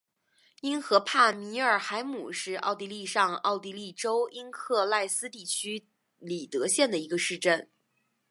因河畔米尔海姆是奥地利上奥地利州因克赖斯地区里德县的一个市镇。